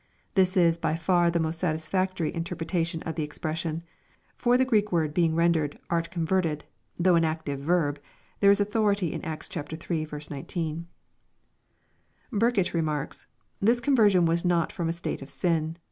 This is by far the most satis factory interpretation of the expression. For the Greek w^ord beiug rendered, " art converted," though an active verb, there is authority in Acts iii. 19. Burkitt remarks, " This conversion was not from a state of sin